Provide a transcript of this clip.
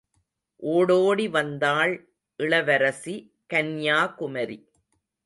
ஓடோடி வந்தாள் இளவரசி கன்யாகுமரி.